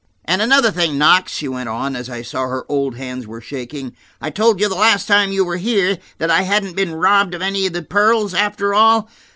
"And another thing, Knox," she went on, and I saw her old hands were shaking. "I told you the last time you were here that I hadn't been robbed of any of the pearls, after all.